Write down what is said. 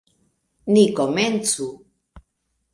Ni komencu!